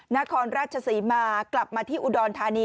นครราชศรีมากลับมาที่อุดรธานี